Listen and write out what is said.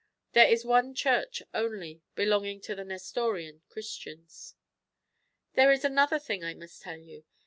There is one church only, belonging to the Nestorian Christians.''* There is another thing I must tell you.